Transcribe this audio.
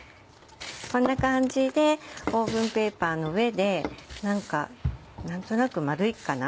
こんな感じでオーブンペーパーの上で何となく丸いかな